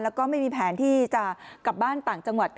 แล้วก็ไม่มีแผนที่จะกลับบ้านต่างจังหวัด